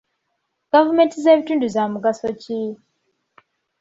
Gavumenti z'ebitundu za mugaso ki?